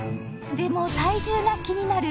でも体重が気になる